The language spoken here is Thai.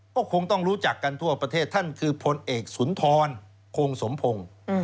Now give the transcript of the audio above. ก็คงต้องรู้จักกันทั่วประเทศท่านคือพลเอกสุนทรโคงสมพงศ์